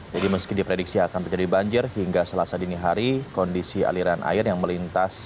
jadi meski diprediksi akan terjadi banjir hingga selasa dini hari kondisi aliran air yang melintas